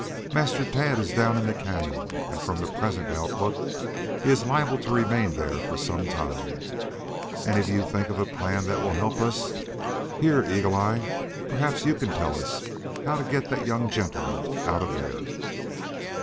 Master Tad is down in the canyon and from the present outlook he is liable to remain there for some time. Any of you think of a plan that will help us? Here, Eagle eye, perhaps you can tell us how to get that young gentlemen out of there."